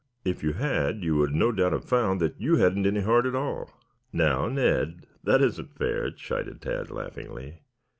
"If you had you would no doubt have found that you hadn't any heart at all." "Now, Ned, that isn't fair," chided Tad laughingly.